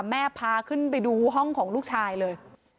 พาขึ้นไปดูห้องของลูกชายเลย